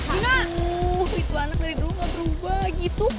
aduh itu anak dari dulu gak berubah gitu